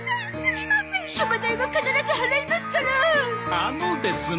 あのですね。